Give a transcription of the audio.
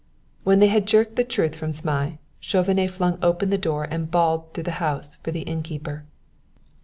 When they had jerked the truth from Zmai, Chauvenet flung open the door and bawled through the house for the innkeeper.